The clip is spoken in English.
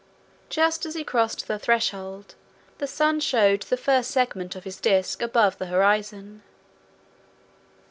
Just as he crossed the threshold the sun showed the first segment of his disc above the horizon.